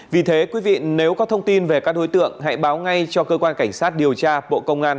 vì thế quý vị nếu có thông tin về các đối tượng hãy báo ngay cho cơ quan cảnh sát điều tra bộ công an